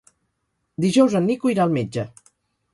Dijous en Nico irà al metge.